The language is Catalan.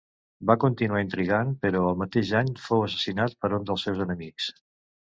Va continuar intrigant però el mateix any fou assassinat per un dels seus enemics.